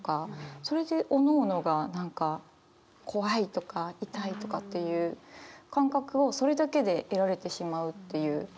それでおのおのが何か怖いとか痛いとかっていう感覚をそれだけで得られてしまうっていう。